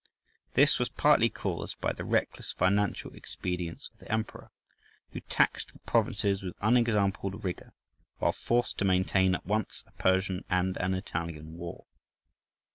This was partly caused by the reckless financial expedients of the Emperor, who taxed the provinces with unexampled rigour while forced to maintain at once a Persian and an Italian war.